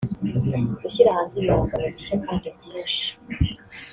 Gushyira hanze ibihangano bishya kandi byinshi